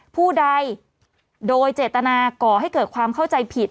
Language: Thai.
ผู้ใดโดยเจตนาก่อให้เกิดความเข้าใจผิด